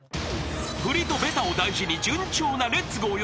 ［振りとベタを大事に順調なレッツゴーよしまさ］